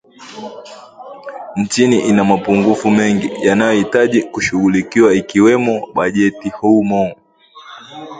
nchini ina mapungufu mengi yanayohitaji kushughuliwa ikiwemo bajeti humo